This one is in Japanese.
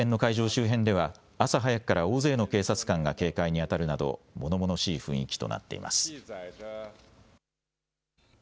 周辺では、朝早くから大勢の警察官が警戒に当たるなど、ものものしい雰囲気となっています。